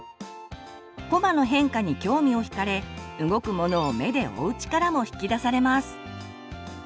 こまの変化に興味を引かれ動くものを目で追う力も引き出されます。